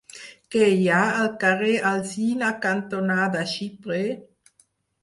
Què hi ha al carrer Alzina cantonada Xiprer?